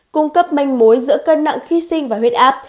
cung cấp manh mối giữa cân nặng khi sinh và huyết áp